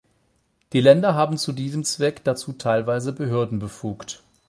Die Länder haben zu diesem Zweck dazu teilweise Behörden befugt.